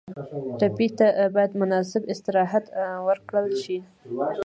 ټپي ته باید مناسب استراحت ورکړل شي.